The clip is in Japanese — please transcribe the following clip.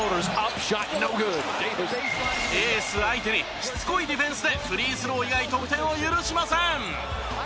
エース相手にしつこいディフェンスでフリースロー以外得点を許しません。